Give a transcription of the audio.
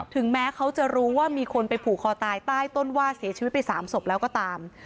ถึงแม้เขาจะรู้ว่ามีคนไปผูกคอตายใต้ต้นว่าเสียชีวิตไป๓ศพแล้วก็ตาม